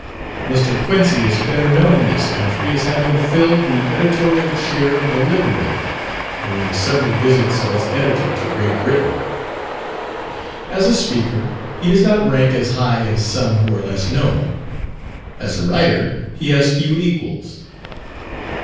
Mr. Quincy is better known in this country as having filled the editorial chair of The Liberator, during the several visits of its Editor to Great Britain. As a speaker, he does not rank as high as some who are less known; as a writer, he has few equals.